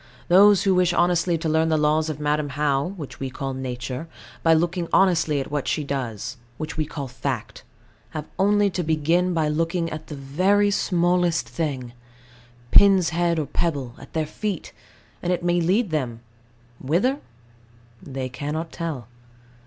Those who wish honestly to learn the laws of Madam How, which we call Nature, by looking honestly at what she does, which we call Fact, have only to begin by looking at the very smallest thing, pin's head or pebble, at their feet, and it may lead them whither, they cannot tell.